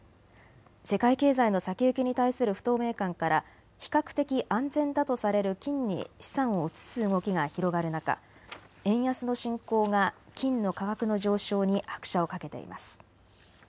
世界経済の先行きに対する不透明感から比較的安全だとされる金に資産を移す動きが広がる中、円安の進行が金の価格の上昇に拍車をかけています。